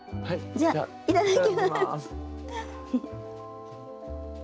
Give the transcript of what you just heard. じゃあいただきます。